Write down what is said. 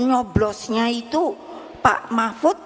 nyoblosnya itu pak mahfud